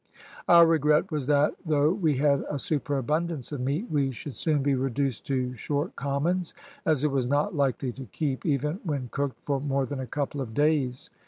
Our regret was that though we had a superabundance of meat we should soon be reduced to short commons, as it was not likely to keep, even when cooked, for more than a couple of days.